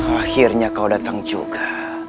akhirnya kau datang juga